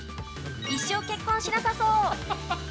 一生、結婚しなさそう。